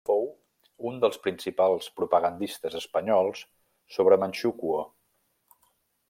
Fou un dels principals propagandistes espanyols sobre Manxukuo.